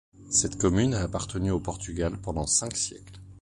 Cette commune a appartenu au Portugal pendant cinq siècles.